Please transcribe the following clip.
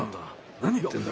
何言ってんだ？